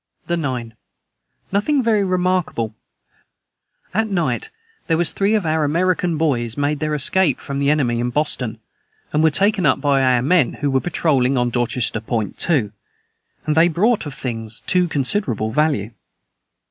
the 9. Nothing very remarkable at night their was thre of our Amarican Boys made their escape from the Enemy in Boston and were taken up by our men who were Patroling on Dorchester Point to and they brought of things to considerable value.